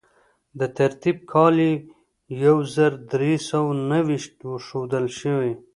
د ترتیب کال یې یو زر درې سوه نهه ویشت ښودل شوی.